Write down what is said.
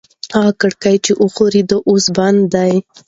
هغه کړکۍ چې ښورېده اوس بنده ده.